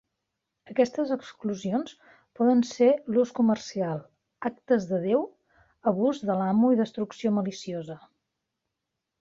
Aquestes exclusions poden ser l'ús comercial, "actes de Déu", abús de l'amo i destrucció maliciosa.